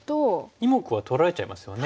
２目は取られちゃいますよね。